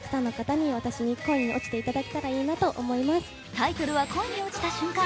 タイトルは「恋に落ちた瞬間」。